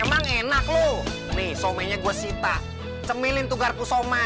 emang enak lu nih somenya gue sita cemilin tuh kakaknya